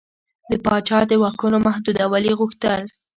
د پاچا د واکونو محدودول یې غوښتل.